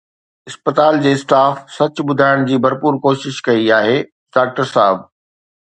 اسپتال جي اسٽاف سچ ٻڌائڻ جي ڀرپور ڪوشش ڪئي آهي، ڊاڪٽر صاحب